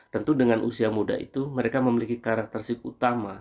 tentu dengan usia muda itu mereka memiliki karakteristik utama